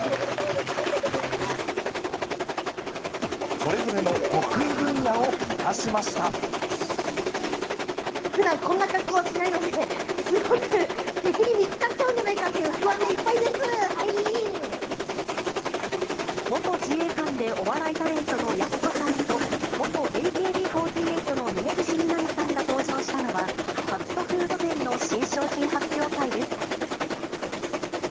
それぞれの得意分野を生かしふだん、こんな格好しないので、すごく、敵に見つかっちゃうんじゃないかっていう不安でいっぱいですー、元自衛官でお笑いタレントのやす子さんと、元ＡＫＢ４８の峯岸みなみさんが登場したのは、ファストフード店の新商品発表会です。